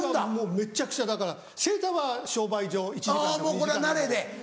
めちゃくちゃだから正座は商売上１時間でも２時間でも。